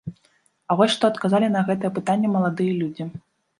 А вось што адказалі на гэтае пытанне маладыя людзі.